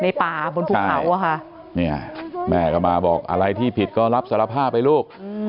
ป่าบนภูเขาอะค่ะเนี่ยแม่ก็มาบอกอะไรที่ผิดก็รับสารภาพไปลูก